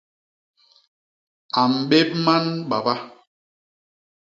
A mbép man baba.